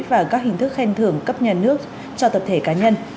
và các hình thức khen thưởng cấp nhà nước cho tập thể cá nhân